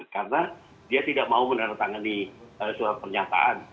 karena dia tidak mau menerang tangani soal pernyataan